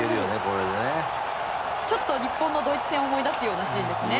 ちょっと日本のドイツ戦を思い出すシーンですよね。